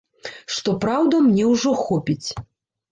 Што праўда, мне ўжо хопіць.